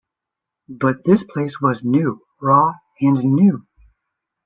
But this place was new, raw and new.